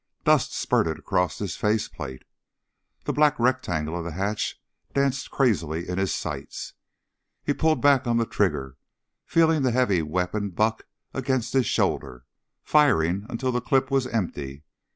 Dust spurted across his face plate. The black rectangle of the hatch danced crazily in his sights. He pulled back on the trigger, feeling the heavy weapon buck against his shoulder, firing until the clip was empty.